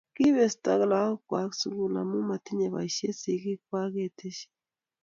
Kibesto lakook kwak sukul amu matinye boisie sikiik kwak, kiteshi.